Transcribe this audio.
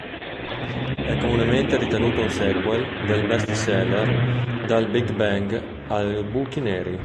È comunemente ritenuto un sequel del bestseller "Dal big bang ai buchi neri.